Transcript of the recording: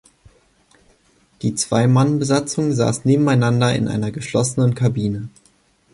Die Zwei-Mann-Besatzung saß nebeneinander in einer geschlossenen Kabine.